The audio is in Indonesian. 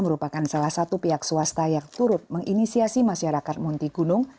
merupakan salah satu pihak swasta yang turut menginisiasi masyarakat munti gunung